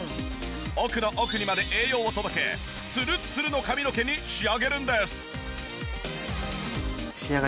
奥の奥にまで栄養を届けツルッツルの髪の毛に仕上げるんです。